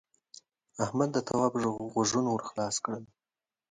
احمد د تواب غوږونه سپین کړل.